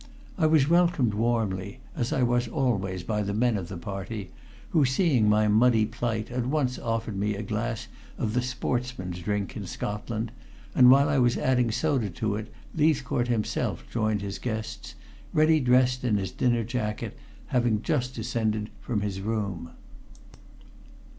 I was welcomed warmly, as I was always by the men of the party, who seeing my muddy plight at once offered me a glass of the sportsman's drink in Scotland, and while I was adding soda to it Leithcourt himself joined his guests, ready dressed in his dinner jacket, having just descended from his room.